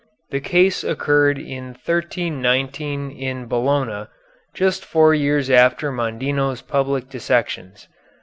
The case occurred in 1319 in Bologna, just four years after Mondino's public dissections.